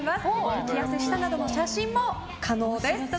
激痩せしたなどの写真も可能です。